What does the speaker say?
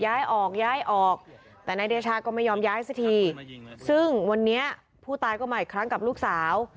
ย้ายออกย้ายออกแต่นายเดชาก็ไม่ยอมย้ายสักทีซึ่งวันนี้ผู้ตายก็มาอีกครั้งกับลูกสาว